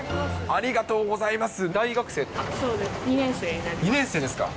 ありがとうございます。